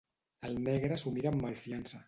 El negre s'ho mira amb malfiança.